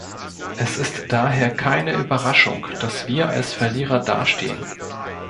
Es ist daher keine Überraschung, dass wir als Verlierer dastehen.